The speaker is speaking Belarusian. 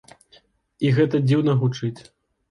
І гэта дзіўна гучыць.